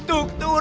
tuh atuh di ikut